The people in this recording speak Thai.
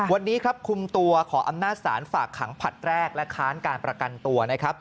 วันนี้คุมตัวขออำนาจศาลฝากขังผัดแรกและค้านการประกันตัว